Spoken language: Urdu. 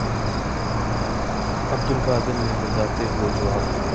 عبدالقادر نے گھبراتے ہوئے جواب دیا